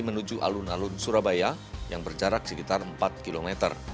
menuju alun alun surabaya yang berjarak sekitar empat km